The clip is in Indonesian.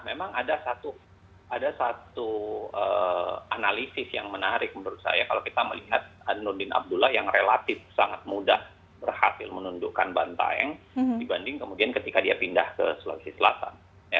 memang ada satu analisis yang menarik menurut saya kalau kita melihat nurdin abdullah yang relatif sangat mudah berhasil menundukkan bantaeng dibanding kemudian ketika dia pindah ke sulawesi selatan